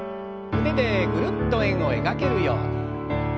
腕でぐるっと円を描けるように。